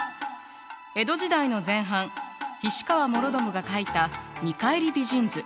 江戸時代の前半菱川師宣が描いた「見返り美人図」。